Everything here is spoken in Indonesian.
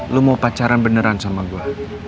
lo mau pacaran beneran sama gue